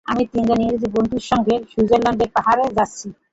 আমি তিনজন ইংরেজ বন্ধুর সঙ্গে সুইজরলণ্ডের পাহাড়ে যাচ্ছি।